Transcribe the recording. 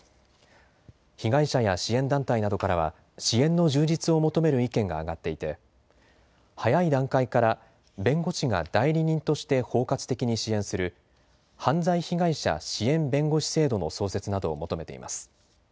被害者や支援団体などからは支援の充実を求める意見が挙がっていて早い段階から弁護士が代理人として包括的に支援する犯罪被害者支援弁護士制度の創設などを求めています。